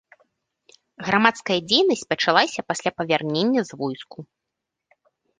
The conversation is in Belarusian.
Грамадская дзейнасць пачалася пасля павернення з войску.